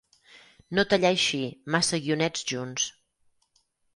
No tallar així, massa guionets junts.